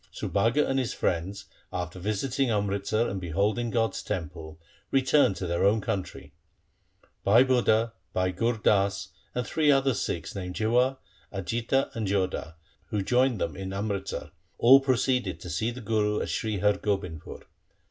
Subhaga and his friends after visiting Amritsar and beholding God's temple returned to their own country. Bhai Budha, Bhai Gur Das, and three other Sikhs named Jiwa, Ajitta, and Jodha, who joined them in Amritsar, all proceeded to see the Guru at Sri Har Gobindpur.